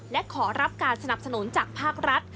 และขอรับการสนับสนุนจากภาครัฐ